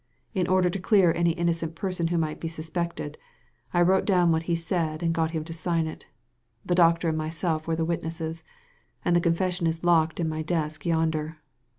In order to clear any innocent person who might be suspected, I wrote down what he said, and got him to sign it The doctor and myself were the witnesses, and the confession is locked in my desk yonder.